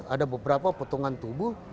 ada beberapa potongan tubuh